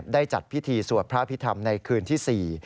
ได้จัดพิธีสวดพระพิธรรมในคืนที่๔